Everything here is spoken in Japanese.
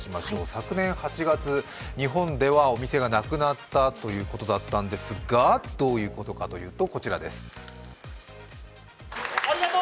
昨年８月、日本ではお店がなくなったということだったんですがどういうことかというとこちらです。